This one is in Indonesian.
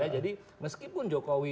jadi meskipun jokowi